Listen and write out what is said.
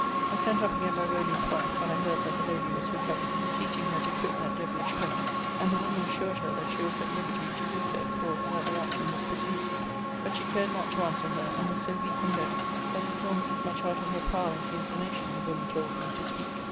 I sent up again, by Rowland's wife, when I heard that the lady was recovered, beseeching her to quit that devilish place; and the woman assured her that she was at liberty to do so, for that the action was dismissed. But she cared not to answer her: and was so weak and low, that it was almost as much out of her power as inclination, the woman told me, to speak.